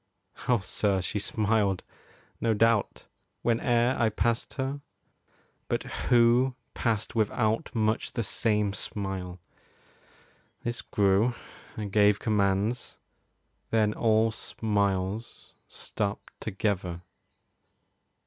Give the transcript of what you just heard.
Oh sir, she smiled, no doubt, Whene'er I passed her; but who passed without Much the same smile? This grew; I gave commands; Then all smiles stopped together.